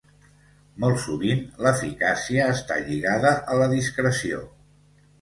Molt sovint l’eficàcia està lligada a la discreció.